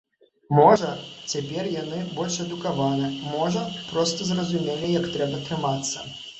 Можа, цяпер яны больш адукаваныя, можа проста зразумелі, як трэба трымацца.